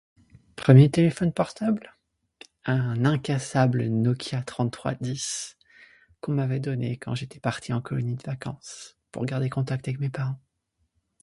Premier téléphone portable ? Un incassable Nokia 3310, qu'on m'avait donné quand j'étais parti en colonie de vacances pour garder contact avec mes parents.